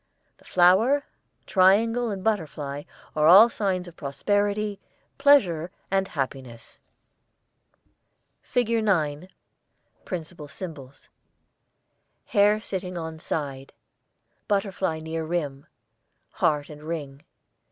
The flower, triangle, and butterfly are all signs of prosperity, pleasure and happiness. [ILLUSTRATION 9] FIG.9 Principal Symbols: Hare sitting on side. Butterfly near rim. Heart and ring.